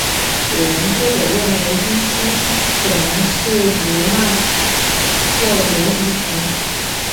有研究者认为依西可能是鲈鳗或鲢鱼群。